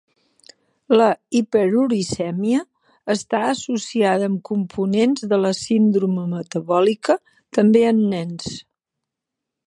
La hiperuricèmia està associada amb components de la síndrome metabòlica, també en nens.